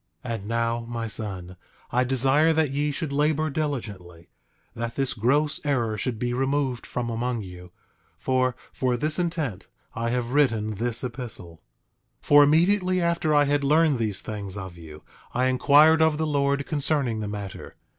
8:6 And now, my son, I desire that ye should labor diligently, that this gross error should be removed from among you; for, for this intent I have written this epistle. 8:7 For immediately after I had learned these things of you I inquired of the Lord concerning the matter.